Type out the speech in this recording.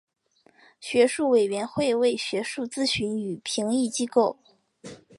学术委员会为学术咨询与评议机构。